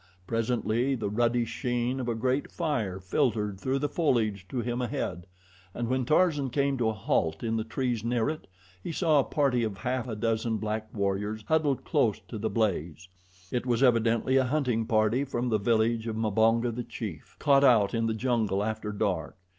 Presently the ruddy sheen of a great fire filtered through the foliage to him ahead, and when Tarzan came to a halt in the trees near it, he saw a party of half a dozen black warriors huddled close to the blaze. It was evidently a hunting party from the village of Mbonga, the chief, caught out in the jungle after dark.